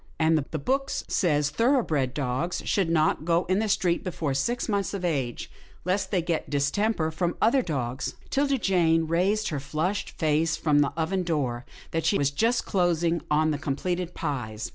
" And the book says thoroughbred dogs should not go in the street before six months of age, lest they get distemper from other dogs." 'Tilda Jane raised her flushed face from the oven door that she was just closing on the com pleted pies.